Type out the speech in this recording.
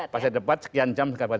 pasca debat sekian jam